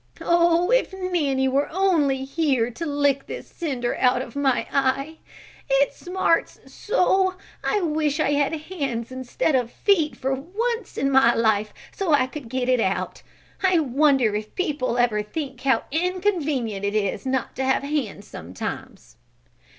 Oh, if Nanny were only here, to lick this cinder out of my eye! It smarts so I wish I had hands instead of feet for once in my life so I could get it out. I wonder if people ever think how inconvenient it is not to have hands sometimes."